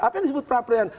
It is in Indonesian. apa yang disebut peradilan